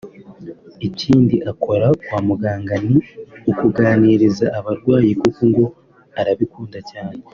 Ikindi akora kwa muganga ni ukuganiriza abarwayi kuko ngo arabikunda cyane